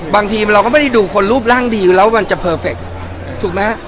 บางทีเราก็ไม่ได้ดูคนรูปร่างดีอยู่แล้วมันจะเพอร์เฟคถูกไหมฮะ